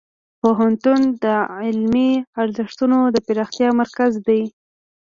پوهنتون د علمي ارزښتونو د پراختیا مرکز دی.